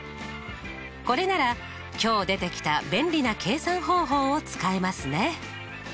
これなら今日出てきた便利な計算方法を使えますね。